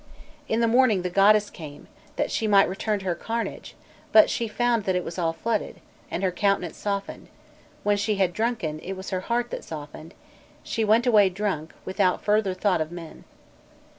In the morning the goddess came, "that she might return to her carnage, but she found that all was flooded, and her countenance softened; when she had drunken, it was her heart that softened; she went away drunk, without further thought of men."